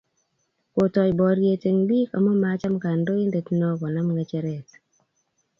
Ko tai boriet eng biik amu macham kandoindet no konam ngecheret